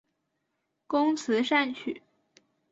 工词善曲。